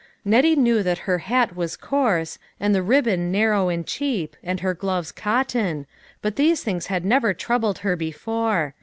Nettie knew that her hat was coarse, and the ribbon narrow and cheap, and her gloves cotton, but these things had never troubled her before.